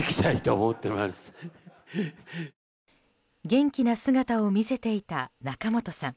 元気な姿を見せていた仲本さん。